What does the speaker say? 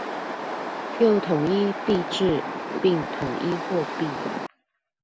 又統一幣制，並統一貨幣